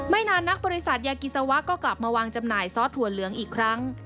นานนักบริษัทยากิสาวะก็กลับมาวางจำหน่ายซอสถั่วเหลืองอีกครั้ง